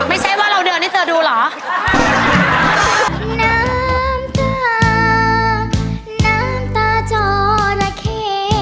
ไม่ใช่ว่าเราเดินนี่เธอดูเหรอ